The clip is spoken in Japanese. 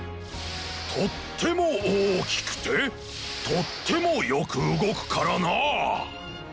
とってもおおきくてとってもよくうごくからな。